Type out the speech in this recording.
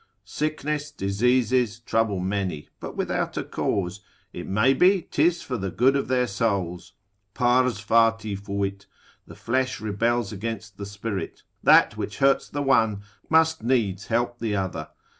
Sickness, diseases, trouble many, but without a cause; It may be 'tis for the good of their souls: Pars fati fuit, the flesh rebels against the spirit; that which hurts the one, must needs help the other.